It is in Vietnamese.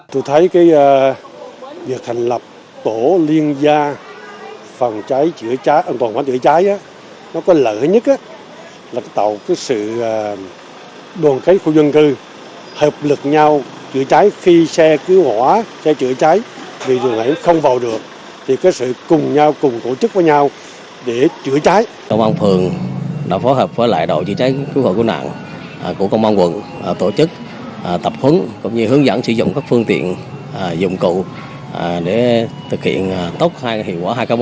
tổ chức tập hướng và hướng dẫn sử dụng các phương tiện dụng cụ để thực hiện tốt hai hiệu quả hai cái mô hình này